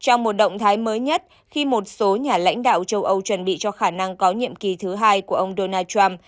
trong một động thái mới nhất khi một số nhà lãnh đạo châu âu chuẩn bị cho khả năng có nhiệm kỳ thứ hai của ông donald trump